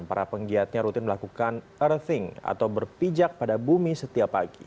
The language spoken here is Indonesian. para penggiatnya rutin melakukan earthing atau berpijak pada bumi setiap pagi